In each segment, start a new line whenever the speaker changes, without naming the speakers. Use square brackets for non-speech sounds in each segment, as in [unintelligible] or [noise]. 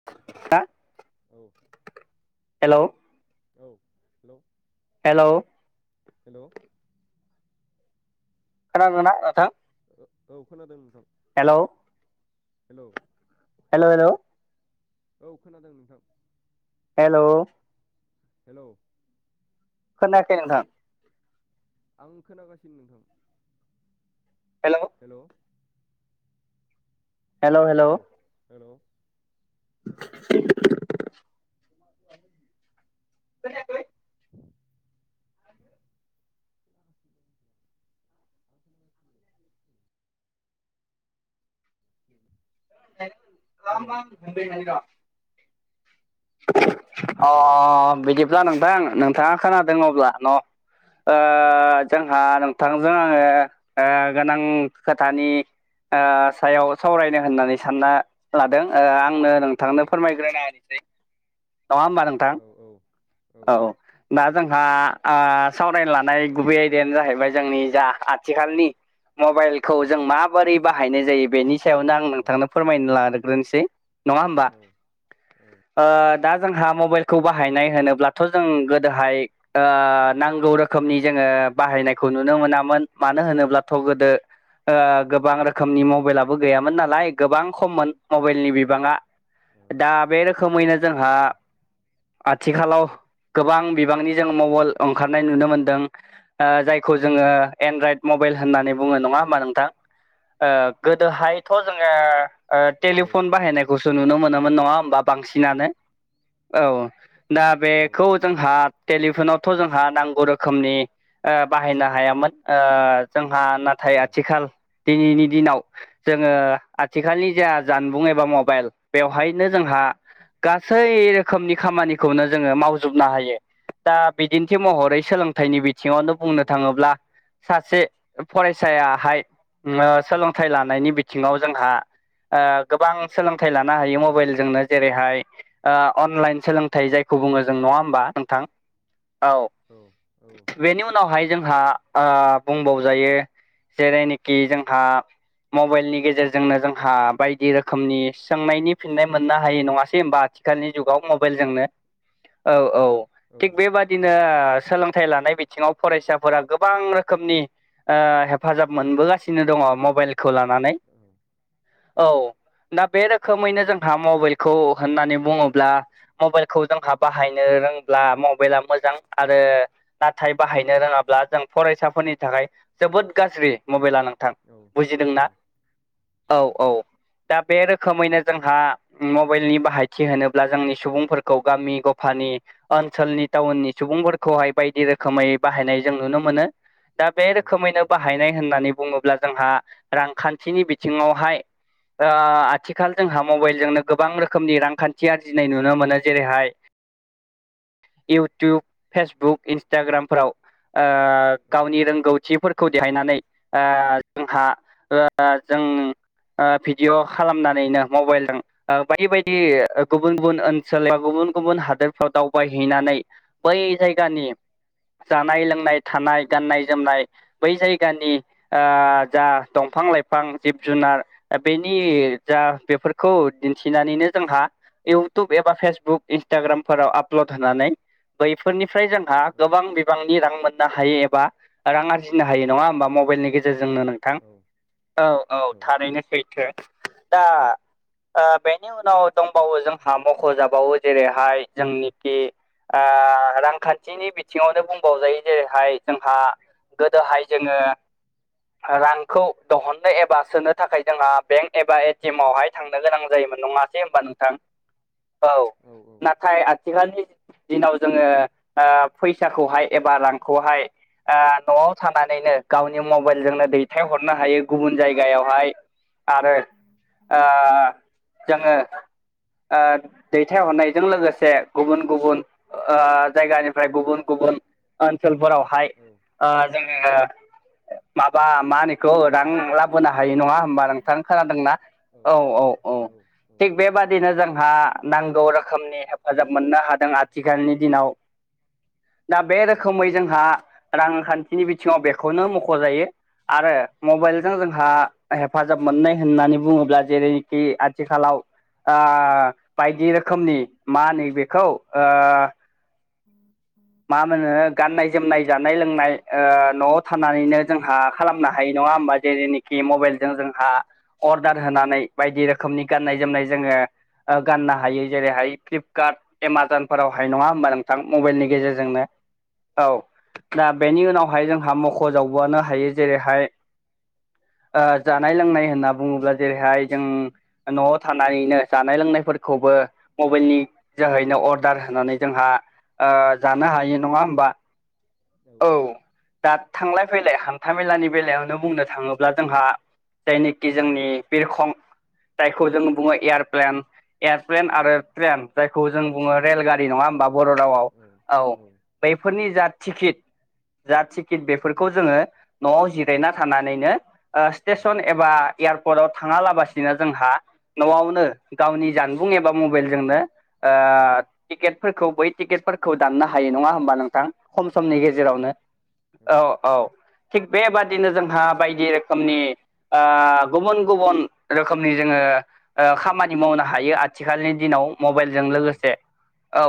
[unintelligible]
औ
हेल'
औ hello
hello
hello
खोनादोंना नोंथां?
औ खोनादों नोंथां।
हेल'
हेल'
हेल' हेल'
औ खोनादों नोंथां।
हेल'
हेल'
खोनायाखै नोंथां।
आं खोनागासिनो नोंथां।
हेल'
हेल'
हेलौ
औ हेल'।
खोनायाखै?
[unintelligible] उम
[unintelligible] अ
हेलौ
बिदिब्ला नोंथां नोंथाङा खोनादों अब्ला न'। ओ
औ
जोंहा नोंथांजों आङो ओ गोनां खोथानि ओ सायाव सावरायनो होननानै सानना लादों ओ आंनो
औ
नोंथांनो फोरमायग्रोना होनोसै नङा होमबा नोंथां
औ
औ। दा जोंहा ओ सावरायनो लानाय गुबै आयदायानो जाहैबाय जोंनि जा आथिखालनि मबाइल खौ
औ
जों माबोरै बाहायनाय जायो बेनि सायावनो आं
औ
नोंथांनो फोरमायनो लाग्रोनोसै नङा होमबा।
औ औ
ओ दा जोंहा मबाइलखौ बाहायनाय होनोब्लाथ' जों गोदोहाय ओ नांगौ रोखोमनि जोङो बाहायनायखौ नुनो मोनामोन मानो होनोब्लाथ' गोदो ओ गोबां रोख
औ
रोखोमनि मबाइलाबो गैयामोन नालाय गोबां खममोन मबाइलनि बिबाङा
औ
दा बे रो रोखोमैनो जोंहा आथिखालाव गोबां बिबांनि मबाइल ओंखारनाय नुनो मोनदों। ओ जायखौ जोङो एन्ड्रयड मबाइल होननानै बुङो नङा होमबा नोंथां ओ गोदोहायथ' जोङो ओ
औ नंगौ
टेलिफन बाहायनायखौ गुसु नुनो मोनोमोन नङा होमबा बांसिनानो औ। दा बेखौ जोंहा टेलिफनावथ' जोंहा नांगौ रोखोमनि ओ बाहायनो हायामोन ओ। जोंहा नाथाय आथिखाल दिनैनि दिनाव जोङो आथिखालनि जा जानबुं एबा मबाइल बेवहायनो जोंहा गासै रोखोमनि खामानिखौनो जोङो मावजोबनो हायो। दा बिदिन्थि महरै सोलोंथाइनि बिथिङावनो
औ
बुंनो
औ
थाङोब्ला सासे फरायसायाहाय। ओम सोलोंथाइ लानायनि बिथिङाव जोंहा ओ गोबां सोलोंथाइ लानो हायो मबाइलजोंनो। जेरैहाय ओ अनलाइन सोलोंथाइ जायखौ बुङो जों नङा होमबा नोंथां। औ बेनि उनावहाय जोंहा ओ बुंबावजायो जेरैनोखि जोंहा मबाइलनि गेजेरजोंनो जोंहा बायदि रोखोमनि सोंनायनि फिननाय मोननो हायो नङासै होनबा आथिखालनि जुगाव मबेलजोंनो औ औ थिग बे बादि बिदिनो ओ सोलोंथाइ लानाय बिथिङाव फरायसाफोरा गोबां रोखोमनि ओ हेफाजाब मोनबोगासिनो दङ मबाइल मबायलखौ लानानै औ दा बे रोखैनो जोंहा मबेल खौ होननानै बुङोब्ला मबाइलखौ जोंहा बाहायनो रोंब्ला मबाइला मोजां आरो नाथाय बाहायनो रोङाब्ला जों फरायसाफोरनि थाखाय जोबोद गाज्रि मबाइला नों थां बुजिदोंना? औ औ। दा बे रोखोमैनो जोंहा मबाइलनि बाहायथि होनोब्ला जोंनि सुबुंफोरखौ गामि गफानि ओनसोलनि टाउननि सुबुंफोरखौहाय बायदि रोखोमै बाहायनाय जों नुनो मोनो। दा बे रोखोमैनो बाहायनाय होननानै बुङो ब्ला जोंहा रांखान्थिनि बिथिङावहाय ओ आथिखाल जोंहा मबाइलजोंनो गोबां रोखोमनि रांखान्थि आरजिनाय नुनो मोनो जेरैहाय इउटुब, फेसबुक, इन्सटाग्रामफोराव ओ गावनि रोंगौथिफोरखौ देहायनानै ओ जोंहा ओ जों ओ भिडिअ' खालामनानैनो मबायलजों ओ बायदि बायदि ओ गुबुन गुबुन ओनसोलाव गुबुन गुबुन हादोरफ्राव दावबायहैनानै बै जायगानि जानाय लोंनाय, थानाय, गाननाय जोमनाय बै जायगानि ओ जा दंफां लाइफां, जिब जुनार ओ बेनि जा बेफोरखौ दिन्थिनानैनो जोंहा इउटुब एबा फेसबुक, इन्सटाग्रामफोराव आपलड होनानै बैफोरनिफ्राय जों हा
औ
गोबां बिबांनि रां मोननो हायो एबा रां आरजिनो हायो नङा होमबा, मबाइलनि गेजेरजोंनो नों थां।
औ औ
औ औ थारैनो सैथो। दा ओ बेनि उनाव दंबावो जोंहा मखजाबावो जेरैहाय जोंनिखि आ रांखान्थिनि बिथिङावनो बुंबावजायो जेरैहाय जोंहा गोदोहाय जोङो रांखौ दहननो एबा सोनो थाखाय जोंहा बेंक एबा ए टि एमआवहाय थांनो गोनां जायोमोन नङासै होमबा नोंथां? औ। नाथाय आ आथिखालनि दिनाव जोङो ओ फैसाखौहाय एबा रांखौहाय ओ न'आव थानानैनो गावनि मबाइलजोंनो दैथायहरनो हायो गुबुन जायगायावहाय। आरो ओ जोङो ओ दैथायहरनायजों लोगोसे गुबुन गुबुन ओ जायगानिफ्राय गुबुन गुबुन ओनसोलफोरावहाय ओ जोङो माबा मा होनो इखौ रां लाबोनो हायो नङा होमबा नोंथां, खोनादोंना? औ औ औ। थिक बेबा बिदिनो जोंहा नांगौ रोखोमनि हेफाजाब मोननो हादों आथिखालनि दिनाव। दा बे रोखोमै जोंहा रांखान्थिनि बिथिङाव बेखौनो मख'जायो। आरो मबाइलजों जोंहा हेफाजाब मोननाय होननानै बुङोब्ला जेरैखि आथिखालाव आ बायदि रोखोमनि मानो बेखौ ओ मा होनो गाननाय जोमनाय, जानाय लोंनाय ओ न'आव थानानैनो जोंहा खालामनो हायो नङा होमबा? जेरैनिखि मबाइलजों जोंहा अर्डार होनानै बायदि रोखोमनि गाननाय जोमनाय जोङो ओ गाननो हायो। जेरैहाय फ्लिपकार्ट एमाजनफोरावहाय नङा होमबा नोंथां मबाइलनि गेजेरजोंनो। औ। दा बेनि उनावहाय जोंहा मखजावबावनो हायो जेरैहाय ओ जानाय लोंनाय होनना बुङोब्ला जेरैहाय जों न'आव थानानैनो जानाय लोंनायफोरखौबो मबाइलनि जोहैनो अर्डार होनानै जोंहा ओ जानो हायो नङा होमबा औ दा थांलाय फैलाय हान्था मेलानि बेलायावनो बुंनो थाङोब्ला जोंहा जायनिखि जोंनि बिरखं जायखौ जों बुङो यारप्लेन एयारप्लेन आरो ट्रेन जायखौ जों बुङो रेलगारि नङा होमबा बर' रावाव
औ औ
बेफोरनि जा टिकिट जा टिकिट बेफोरखौ जोङो नआव जिरायना थानानैनो ओ स्टेसन एबा एयारपर्टआव थाङालाबासिनो जोंहा न'आवनो गावनि जानबुं एबा मबाइलजोंनो ओ टिकेटफोरखौ बै टिकेटफोरखौ दाननो हायो नङा होमबा नोंथां खम समनि गेजेरावनो औ औ थिग बेबादिनो जोंहा बायदि रोखोमनि ओ गुबुन गुबुन रोखोमनि जोङो ओ खामानि मावनो हायो आथिखालनि दिनाव मबाइलजों
औ
लोगोसे औ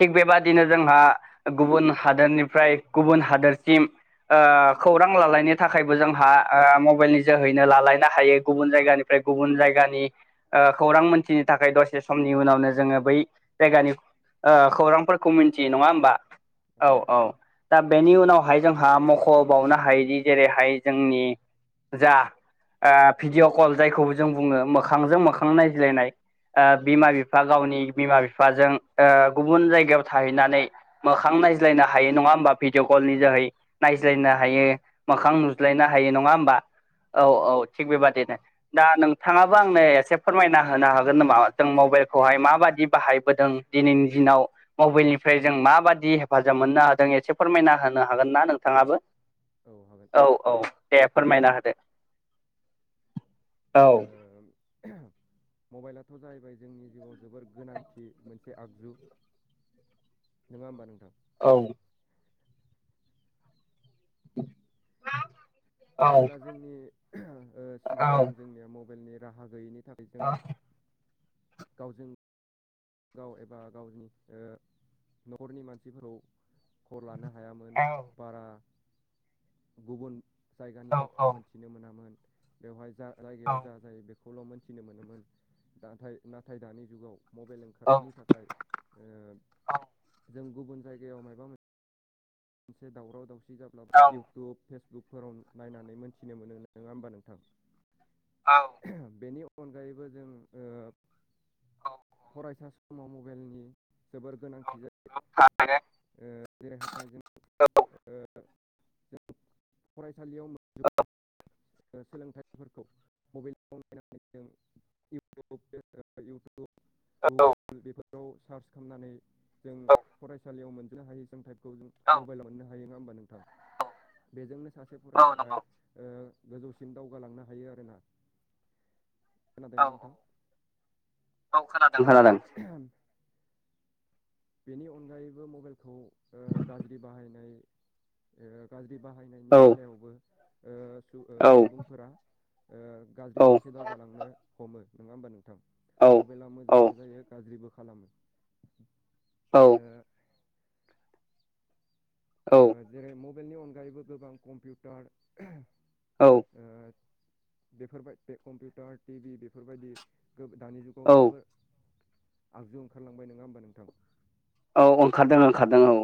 थिग बेबादिनो जोंहा गुबुन हादोरनिफ्राय गुबुन हादोरसिम ओ खौरां लालायनो थाखायबो जोंहा ओ मबाइलनि जोहैनो लालायनो हायो गुबुन जायगानि ओमफ्राय गुबुन जायगानि ओ खौरां मोनथिनो थाखाय दसे समनि उनावनो जोङो बै जायगानि ओ खौरांफोरखौ मिथियो नङा होमबा औ औ दा बेनि उनावहाय जोंहा मख'बावनो हायोदि जेरैहाय जोंनि जा ओ भिडिअ' कल जायखौबो जों बुङो मोखांजों मोखां नायज्लायनाय ओ बिमा
औ
बिफा गावनि बिमा बिफाजों ओ गुबुन जायगायाव थाहैनानै मोखां नायज्लायनो हायो नङा होमबा भिडिअ कल नि जोहै नायज्लायनो हायो मोखां नुज्लायनो हायो नङा होमबा औ औ थिग बेबादिनो दा नोंथाङाबो आंनो एसे फोरमायना होनो हागोन नामा जों मबाइलखौहाय माबायदि बाहाय बोदों दिनैनि दिनाव मबाइलनिफ्राय जों माबादि हेफाजाब मोननो हादों एसे फोरमायना होनो हागोन ना नोंथाङाबो
हागोन।
औ औ दे फोरमायना होदो औ
ओ ओहु मबाइलाथ' जाहैबाय जोंनि जिउआव जोबोर गोनांथि मोनसे आगजु नङा होमबा नोंथां
औ
[inaudible]
मा
मबाइला जोंनि ओ सिगां जोंनिया मबाइलनि राहा गैयैनि थाखाय जों गावजों गाव एबा गावनि ओ न'खरनि मानसिफोरखौ खबर लानो हायामोन बारा गुबुन जायगानि बाथ्रा मोनथिनो मोनामोन बेवहाय जा
औ
जायगायाव जा
औ
जायो बेखौ खौल' मोनथिनो मोनोमोन नाथाय नाथाय दानि जुगाव मबाइल
औ
ओंखारनायनि थाखाय खाय ओ जों गुबुन जायगायाव मा मोन मोनसे दावराव दावसि जाब्ला इउटुब फेसबुकफोराव नायनानै मोन्थिनो मोनो नङा होमबा नोंथां
औ
बेनि अनगायैबो जों ओ फरायसा समाव मबाइलनि जोबोर गोनांथि जा
[unintelligible]
ओ [unintelligible] बेरायनो थांनो नागिरदों नै [unintelligible] बेरायनो फरायसालियाव [unintelligible] ओ सोलोंथाइफोरखौ मबाइल नायनानै जों [unintelligible] गुगोल [unintelligible] बेफोराव सार्च खालामनानै जों
औ औ
सालियाव मोनजोबनो हायि जों टाइपखौ जों
औ
मबाइलाव मोननो हायो नङा होमबा नोंथां बेजोंनो सासे
औ
फरायसा
नंगौ
आ ओ गोजौसिम दावगालांनो हायो आरोना।
औ
खोनादोंना नोंथां
औ खोनादों
ओ
खोनादों
बेनि अनगायैबो मबाइलखौ ओ गाज्रि बाहायनाय ओ गाज्रि बाहायनायनि
औ
बेलायावबो ओ
औ
सुबुंफोरा ओ गाज्रि
औ
फारसे दावगालांनो हमो नङा होमबा [unintelligible] थां
औ
मबाइला मोजांबो जायो गाज्रिबो खालामो।
औ।
ओ
औ
ओ जेरै मबाइलनि अनगायैबो गोबां कम्पिउटार
औ।
ओ बेफोरबाय कम्पिउटार टिभि बेफोरबायदि [unintelligible] दानि जुगाव औ जोबोर आगजु ओंखारलांबाय नङा होमबा नोंथां?
औ ओंखारदों ओंखारदों औ।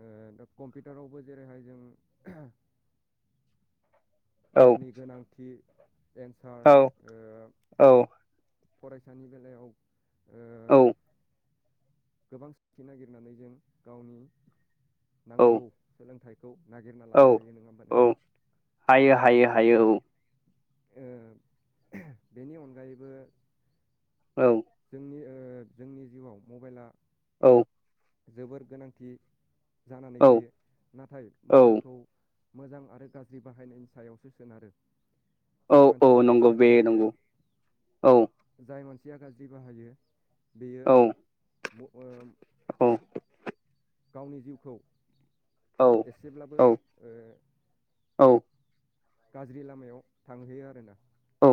ओ दा कम्पिउटारावबो जेरैहाय जों
औ
गावनि गोनांथि एन्सार
औ
ओ
औ
फरायसानि बेलायाव ओ गोबां सिखि [unintelligible] नागिरनानै जों गावनि नांगौ सोलोंथाइखौ नागिरना
औ
लानो हायो नोङा होमबा
औ
नोंथां?
हायो हायो हायो औ।
ओ बेनि अनगायैबो
औ।
जोंनि ओ जोंनि जिउआव मबाइल
औ।
जोबोर गोनांथि जानानै
औ
फैयो नाथाय
औ
मबाइलखौ मोजां आरो गाज्रि बाहायनायनि सायावसो सोनारो।
औ
जाय
औ
मानसिया
नंगौ
गाज्रि
बे
बाहायो
नंगौ औ
जाय मानसिया गाज्रि बाहायो बेयो
औ
म-ओ
औ।
गावनि जिउखौ
औ
एसेब्लाबो
औ
ओ
औ।
गाज्रि लामायाव थांहैयो आरो।
औ।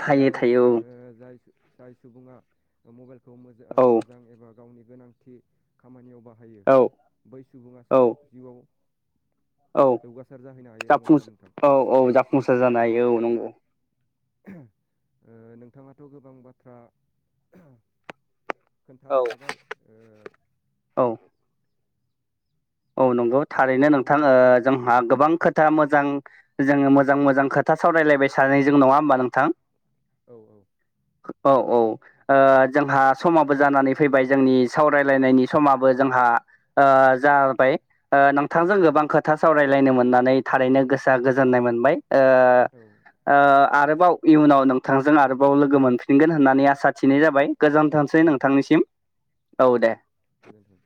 थायो
जाय
थायो
ओ जाय सुबुङा मबाइलखौ
औ
मोजां एबा गावनि गोनांथि खामानियाव बाहायो
औ
बै
औ
सुबुङासो जिउआव
औ
जौगासार जाहैनो हायो नङा होमबा नोंथां?
सार जानो हायो औ नंगौ।
ओ नोंथाङाथ' गोबां बाथ्रा
औ
खोन्थालांखाबाय ओ
औ। औ नंगौ
जा
थारैनो
नांगौ
नोंथां ओ
गोनांथि
जोंहा गोबां खोथा मोजां जोङो मोजां मोजां खोथा सरायलायबाय सानोयजों नङा होमबा नोंथां।
औ औ।
औ औ। ओ जोंहा समाबो जानानै फैबाय जोंनि सावरायलायनायनि समाबो जोंहा ओ जा बाय नोंथांजों
औ
गोबां खोथा सावरायलायनो मोननानै थारैनो गोसोआ गोजोननाय मोनबाय। ओ
औ।
ओ आरोबाव इयुनाव नोंथांजों आरोबाव लोगो मोनफिनगोन होननानै आसा थिनाय जाबाय। गोजोनथोंसै
औ
नोंथांनिसिम औ दे।
गोजोन्थों।